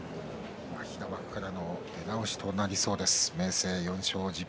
平幕からの出直しとなりそうです、明生。